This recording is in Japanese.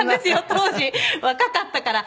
当時若かったから。